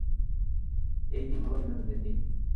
এই দিন হল বিনোদনের দিন।